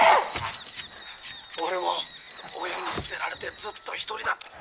「俺も親に捨てられてずっと一人だった。